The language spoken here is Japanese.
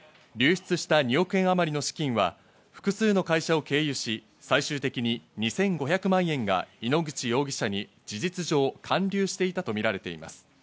流出した２億円あまりの資金は複数の会社を経由し、最終的に２５００万円が井ノ口容疑者に事実上、還流していたとみられています。